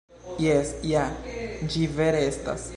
Jes, ja, ĝi vere estas!